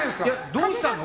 どうしたの？